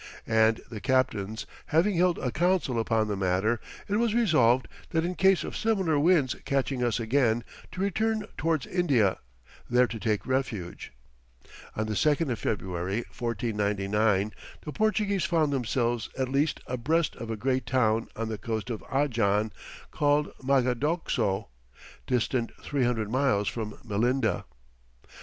And the captains having held a council upon the matter, it was resolved that in case of similar winds catching us again, to return towards India, there to take refuge." On the 2nd of February, 1499, the Portuguese found themselves at last abreast of a great town on the coast of Ajan, called Magadoxo, distant 300 miles from Melinda.